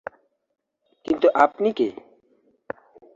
কিন্তু আপনি কে?